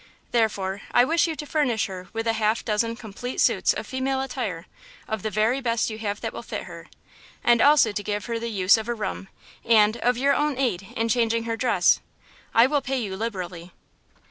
Therefore, I wish you to furnish her with a half dozen complete suits of female attire, of the very best you have that will fit her. And also to give her the use of a room and, of your own aid in changing her dress. I will pay you liberally."